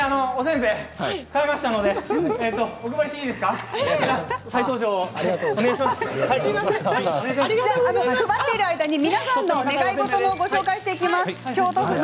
配っている間に皆さんの願い事もご紹介していきます。